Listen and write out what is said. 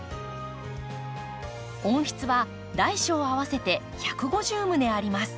温室は大小合わせて１５０棟あります。